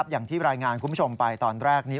อย่างที่รายงานคุณผู้ชมไปตอนแรกนี้